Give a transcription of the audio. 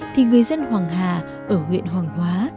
thì người dân hoàng hà ở huyện hoàng hóa